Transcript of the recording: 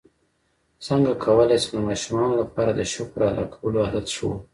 څنګه کولی شم د ماشومانو لپاره د شکر ادا کولو عادت ښوول